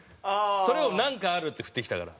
それをなんかあるって振ってきたから。